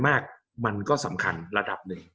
กับการสตรีมเมอร์หรือการทำอะไรอย่างเงี้ย